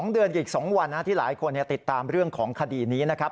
๒เดือนอีก๒วันที่หลายคนติดตามเรื่องของคดีนี้นะครับ